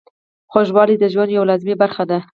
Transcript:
خوږوالی د ژوند یوه لازمي برخه ده.